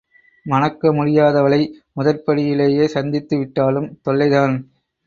மணக்க முடியாதவளை முதற்படியிலேயே சந்தித்து விட்டுவிட்டாலும் தொல்லைதான்.